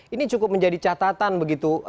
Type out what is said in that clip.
ini cukup menjadi catatan begitu